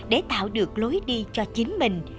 để tạo được lối đi cho chính mình